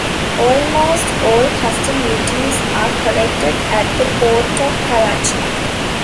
Almost all custom duties are collected at the Port of Karachi.